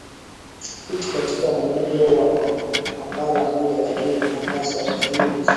fit katika muundo wa makala moja lakini unapaswa dhahiri kuzungumzia uhusiano na waashi John